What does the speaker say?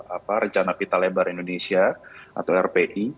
apa rencana pita lebar indonesia atau rpi